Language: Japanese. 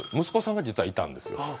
息子さんが実はいたんですよ